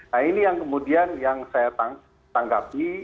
nah ini yang kemudian yang saya tanggapi